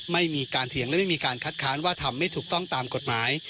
ไม่มีการเถียงและไม่มีการคัดค้านว่าทำไม่ถูกต้องตามกฎหมาย